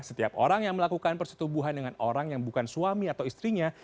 setiap orang yang melakukan persetubuhan dengan orang yang bukan suami atau istrinya